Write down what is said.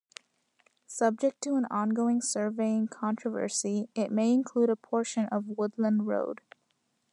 Subject to an ongoing surveying controversy it may include a portion of Woodland Road.